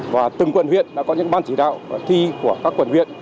và từng quận huyện đã có những ban chỉ đạo thi của các quận huyện